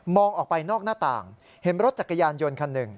ออกไปนอกหน้าต่างเห็นรถจักรยานยนต์คันหนึ่ง